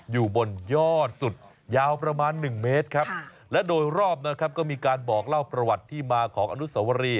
อยู่บนยอดสุดยาวประมาณหนึ่งเมตรครับและโดยรอบนะครับก็มีการบอกเล่าประวัติที่มาของอนุสวรี